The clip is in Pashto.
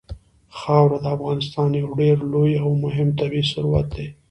خاوره د افغانستان یو ډېر لوی او مهم طبعي ثروت دی.